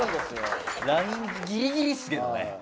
ラインギリギリっすけどね。